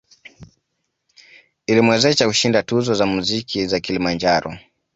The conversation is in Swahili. Ilimwezesha kushinda tuzo za muziki za Kilimanjaro